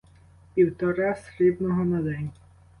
Півтора срібного на день!